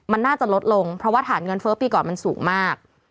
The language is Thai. มันน่าจะลดลงเพราะว่าฐานเงินเฟ้อปีก่อนมันสูงมาก